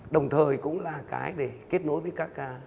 đồng thời cũng là cái để kết nối với các